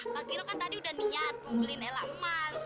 pak gino kan tadi udah niat mau beliin elemas